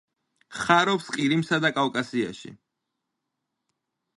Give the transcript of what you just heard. ხარობს ყირიმსა და კავკასიაში.